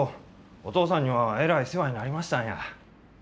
お父さんにはえらい世話になりましたんや。